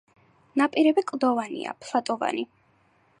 ნაპირები კლდოვანია, ფლატოვანი.